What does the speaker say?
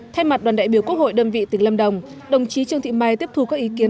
thay mặt đoàn đại biểu quốc hội đơn vị tỉnh lâm đồng đồng chí trương thị mai tiếp thu các ý kiến